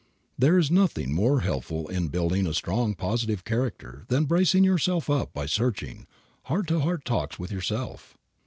There is nothing more helpful in building a strong positive character than bracing yourself up by searching, heart to heart talks with yourself.